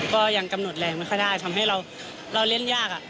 ก็ยังกำหนดแรงไม่ค่อยได้ทำให้เราเล่นยาก